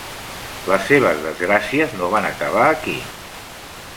Les seves desgràcies no van acabar aquí.